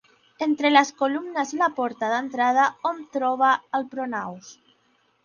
Entre les columnes i la porta d'entrada hom troba el pronaos.